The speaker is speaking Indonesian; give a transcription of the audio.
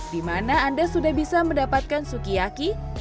di mana anda sudah bisa mendapatkan sukiyaki